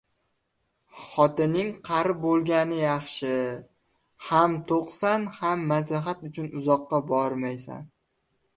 • Xotining qari bo‘lgani yaxshi: ham to‘qsan, ham maslahat uchun uzoqqa bormaysan.